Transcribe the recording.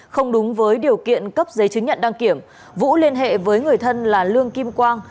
không đúng với điều kiện cấp giấy chứng nhận đăng kiểm vũ liên hệ với người thân là lương kim quang